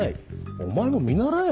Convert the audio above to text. お前も見習え！